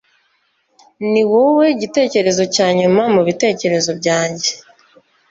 Ni wowe gitekerezo cya nyuma mu bitekerezo byanjye